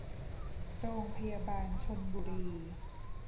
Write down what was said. โรงพยาบาลชลบุรี